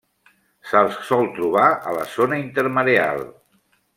Se'ls sol trobar a la zona intermareal.